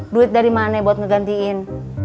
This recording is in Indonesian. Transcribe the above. duit dari mana buat ngegantiin